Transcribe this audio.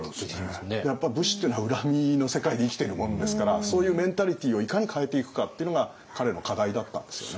やっぱ武士っていうのは恨みの世界で生きてるもんですからそういうメンタリティーをいかに変えていくかっていうのが彼の課題だったんですよね。